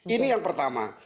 ini yang pertama